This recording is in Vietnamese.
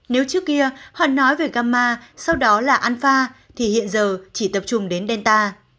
nếu trước kia họ nói về gamma sau đó là alpha thì hiện giờ chỉ tập trung đến delta